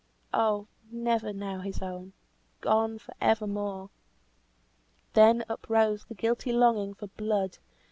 _ Oh! never now his own! Gone for evermore! Then uprose the guilty longing for blood!